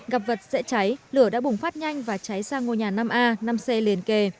gặp vật dễ cháy lửa đã bùng phát nhanh và cháy sang ngôi nhà năm a năm c liền kề